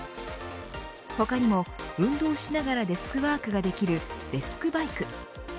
他にも、運動しながらデスクワークができるデスクバイク。